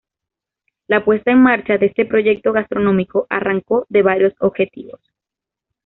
La puesta en marcha de este proyecto gastronómico arrancó de varios objetivos.